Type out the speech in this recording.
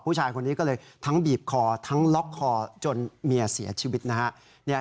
ผู้ชายคนนี้ก็เลยทั้งบีบคอทั้งล็อกคอจนเมียเสียชีวิตนะฮะ